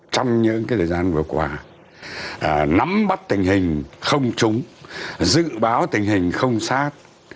trong những thời gian vừa qua nắm bắt tình hình không trúng dự báo tình hình không sát